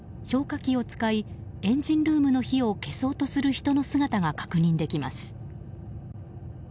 消火器を使いエンジンルームの火を消そうとする人の姿が確認できます。